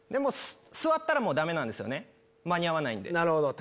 座ったらもうダメなんですよね間に合わないんで。